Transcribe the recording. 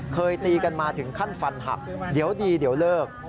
เคยตีกันมาถึงขั้นฟันหักเดี๋ยวดีเดี๋ยวเลิก